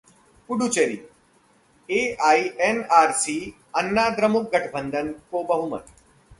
पुडुचेरी: एआईएनआरसी-अन्नाद्रमुक गठबंधन को बहुमत